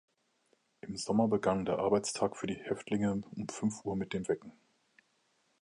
Im Sommer begann der Arbeitstag für die Häftlinge um fünf Uhr mit dem Wecken.